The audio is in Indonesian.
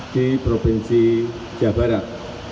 di provinsi jawa barat